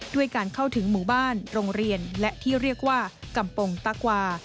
ด้วยการเข้าถึงหมู่บ้านโรงเรียนและที่เรียกว่ากำปงตะกวา